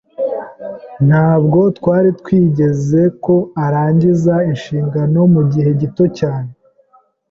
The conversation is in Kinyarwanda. Ntabwo twari twiteze ko arangiza inshingano mugihe gito cyane.